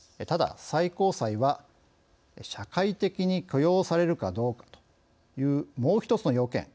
ただ、最高裁は社会的に許容されるかどうかというもう１つの要件。